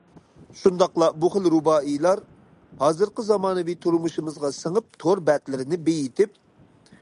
شۇنداقلا بۇ خىل رۇبائىيلار ھازىرقى زامانىۋى تۇرمۇشىمىزغا سىڭىپ تور بەتلىرىنى بېيىتىپ.